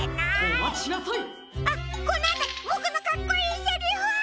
あっこのあと！ボクのかっこいいセリフ！